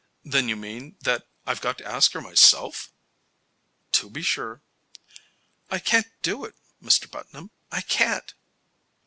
"Then you mean that I've got to ask her myself?" "To be sure." "I can't do it, Mr. Putnam; I can't."